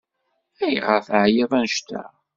Ayɣer teɛyiḍ annect-a?